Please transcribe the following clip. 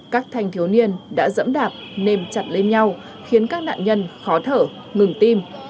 các thanh thiếu niên đã dẫm đạp nên chặt lên nhau khiến các nạn nhân khó thở ngừng tim